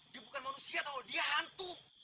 dia bukan manusia kalau dia hantu